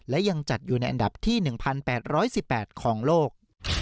และยังจัดอยู่ในอันดับที่๑๘๑๘ของโลก